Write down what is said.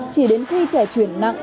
chỉ đến khi trẻ chuyển nặng